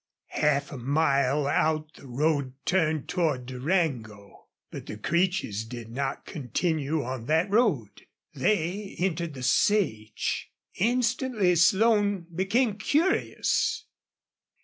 Half a mile out the road turned toward Durango. But the Creeches did not continue on that road. They entered the sage. Instantly Slone became curious.